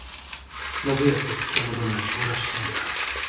信康と築山殿を調略したのであろう。